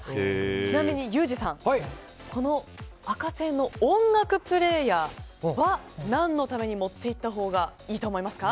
ちなみにユージさん赤線の音楽プレーヤーは何のために持っていったほうがいいと思いますか？